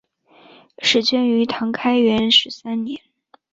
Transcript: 始建于唐开元十三年。